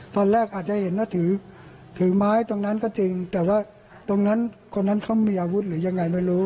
ตอนแรกอาจจะเห็นนะถือถือไม้ตรงนั้นก็จริงแต่ว่าตรงนั้นคนนั้นเขามีอาวุธหรือยังไงไม่รู้